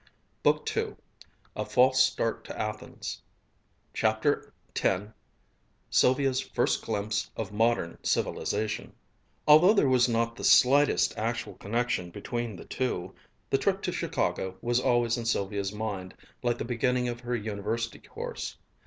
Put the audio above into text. BOOK II A FALSE START TO ATHENS CHAPTER X SYLVIA'S FIRST GLIMPSE OF MODERN CIVILIZATION Although there was not the slightest actual connection between the two, the trip to Chicago was always in Sylvia's mind like the beginning of her University course.